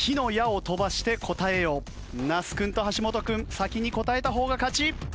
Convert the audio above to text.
那須君と橋本君先に答えた方が勝ち！